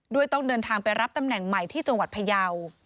ต้องเดินทางไปรับตำแหน่งใหม่ที่จังหวัดพยาว